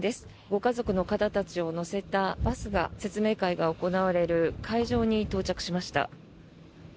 ご家族の方たちを乗せたバスが説明会が行われる会場に到着しました。